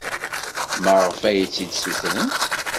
Maɣef ay tt-id-ssutrent?